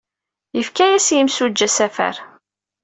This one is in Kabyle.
Yefka-as yimsujji asafar.